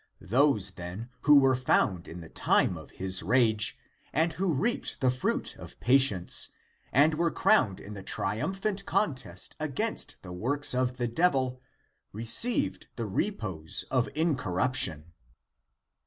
Those, then, who were found in the time of his rage, and who reaped the fruit of patience, and were crowned in the trium phant contest against the works of the devil, re ceived the repose of incorruption.